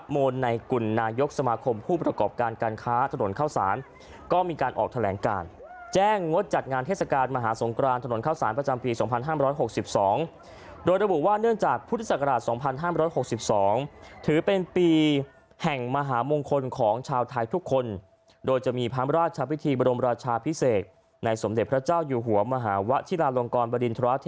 โมนในกุลนายกสมาคมผู้ประกอบการการค้าถนนเข้าสารก็มีการออกแถลงการแจ้งงดจัดงานเทศกาลมหาสงครานถนนข้าวสารประจำปี๒๕๖๒โดยระบุว่าเนื่องจากพุทธศักราช๒๕๖๒ถือเป็นปีแห่งมหามงคลของชาวไทยทุกคนโดยจะมีพระราชพิธีบรมราชาพิเศษในสมเด็จพระเจ้าอยู่หัวมหาวะชิลาลงกรบริ